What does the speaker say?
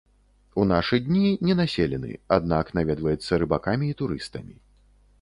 У нашы дні ненаселены, аднак наведваецца рыбакамі і турыстамі.